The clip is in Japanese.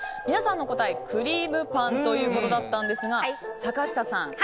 皆さんの答え、クリームパンということだったんですが坂下さん